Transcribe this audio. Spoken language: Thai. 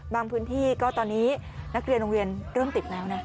พื้นที่ก็ตอนนี้นักเรียนโรงเรียนเริ่มติดแล้วนะ